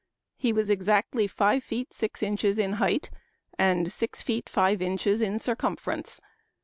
He was exactly five feet six inches in height, and six feet five inches in cir cumference.